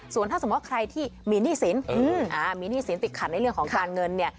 ส่วนถ้าจะมีนี่สินติดถัดในเรื่องของการเงิน